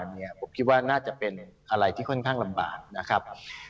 ผมคิดว่าน่าจะเป็นอะไรที่ค่อนข้างลำบากนะครับ